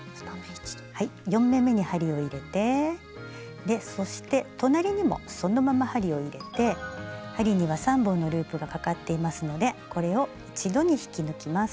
４目めに針を入れてそして隣にもそのまま針を入れて針には３本のループがかかっていますのでこれを一度に引き抜きます。